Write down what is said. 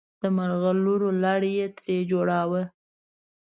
د ملغلرو لړ یې ترې جوړاوه.